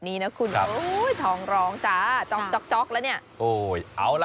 มีกลิ่นหอมกว่า